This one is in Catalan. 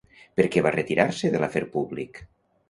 Per què va retirar-se de l'afer públic?